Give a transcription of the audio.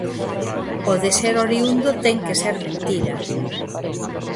O de ser oriúndo ten que ser mentira.